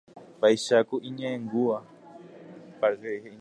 Vaicháku iñe'ẽngúva.